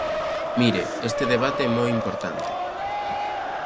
Mire, este debate é moi importante.